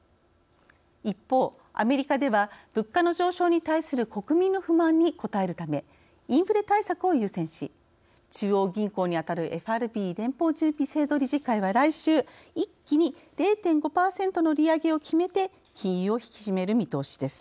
一方、アメリカでは物価の上昇に対する国民の不満に応えるためインフレ対策を優先し中央銀行に当たるＦＲＢ＝連邦準備制度理事会は来週、一気に０．５％の利上げを決めて金融を引き締める見通しです。